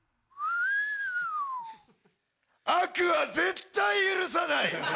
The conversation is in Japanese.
悪は絶対許さない！